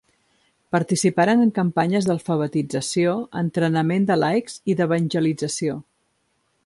Participaren en campanyes d'alfabetització, entrenament de laics i d'evangelització.